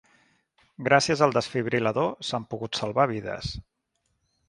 Gràcies al desfibril·lador s'han pogut salvar vides.